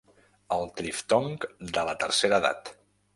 El triftong de la tercera edat.